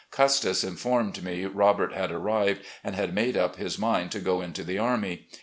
Custis informed me Robert had arrived and had made up his mind to go into the army.